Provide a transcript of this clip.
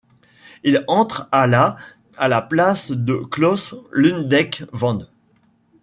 Il entre à la à la place de Claus Lundekvam.